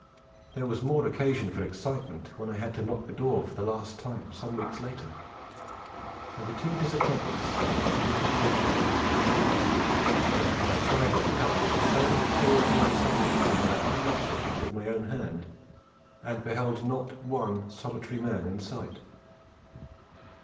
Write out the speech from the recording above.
There was more occasion for excitement when I had to lock the door for the last time some weeks later; and the two disappointments are not to be compared; but my private cup has seldom filled more suddenly than when I unlocked it with my own hand and beheld not one solitary man in sight!